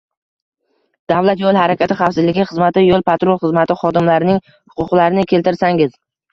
Davlat yo‘l harakati xavfsizligi xizmati Yo‘l-patrul xizmati xodimlarining huquqlarini keltirsangiz?